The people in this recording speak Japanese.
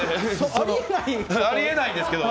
あり得ないんですけど。